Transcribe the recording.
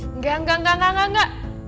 enggak enggak enggak